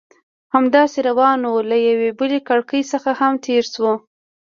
همداسې روان وو، له یوې بلې کړکۍ څخه هم تېر شوو.